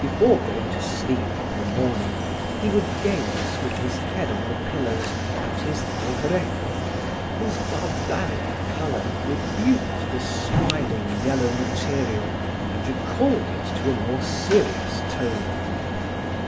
Before going to sleep in the morning, he would gaze, with his head on the pillows, at his El Greco whose barbaric color rebuked the smiling, yellow material and recalled it to a more serious tone.